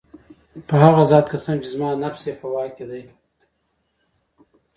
په هغه ذات قسم چي زما نفس ئې په واك كي دی